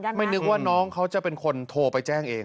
ไม่นึกว่าน้องเขาจะเป็นคนโทรไปแจ้งเอง